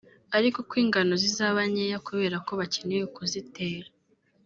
ariko ko ingano zizaba nkeya kubera ko bakererewe kuzitera